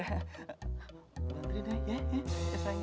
nganterin ya ya